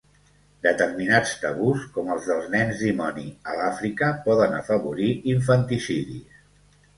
Determinats tabús, com els dels nens dimoni a l'Àfrica, poden afavorir infanticidis.